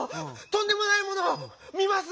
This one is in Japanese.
とんでもないものをみます！